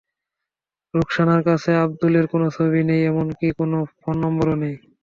রোখসানার কাছে আবদুলের কোনো ছবি নেই, এমনকি কোনো ফোন নম্বরও নেই।